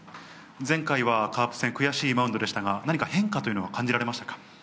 前回はカープ戦、悔しいマウンドでしたが、何か変化は感じられました？